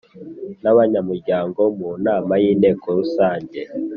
N abanyamuryango mu nama y inteko rusange